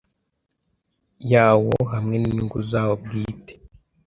yawo hamwe n’inyungu zawo bwite